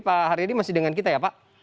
pak haryadi masih dengan kita ya pak